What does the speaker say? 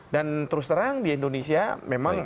dan terus terang di indonesia memang